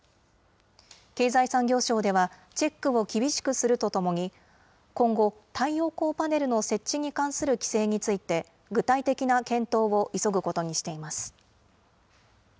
経済産業省では、チェックを厳しくするとともに、今後、太陽光パネルの設置に関する規制について、具体的な検討を急ぐことにしています。